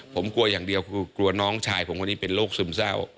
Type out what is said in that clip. ผมกลัวอย่างเดียวกลัวน้องชายผมวันนี้เป็นโรคซึมแซ่ว